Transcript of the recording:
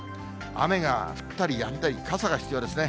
雨が降ったりやんだり、傘が必要ですね。